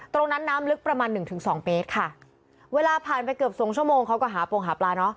ตรงนั้นน้ำลึกประมาณ๑๒เฟตรค่ะเวลาผ่านไปเกือบ๒ชั่วโมงเขาก็หาปลา